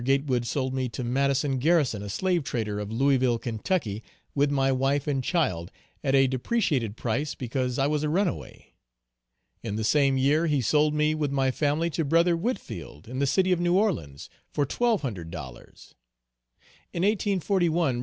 Gatewood sold me to Madison Garrison, a slave trader, of Louisville, Kentucky, with my wife and child at a depreciated price because I was a runaway. In the same year he sold me with my family to "Bro." Whitfield, in the city of New Orleans, for $1200. In 1841 "Bro."